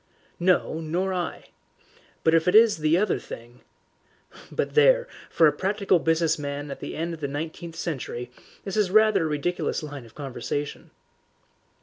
"No, nor I. But if it is the other thing but there, for a practical business man at the end of the nineteenth century this is rather a ridiculous line of conversation."